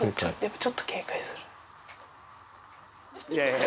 ちょっと警戒する。